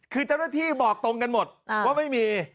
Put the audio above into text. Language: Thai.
คือเจ้าหน้าที่บอกตรงกันหมดว่าไม่มี